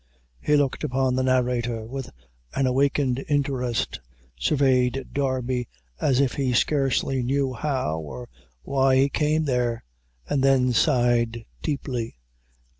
He looked upon the narrator with an awakened interest, surveyed Darby, as if he scarcely knew how or why he came there, and then sighed deeply.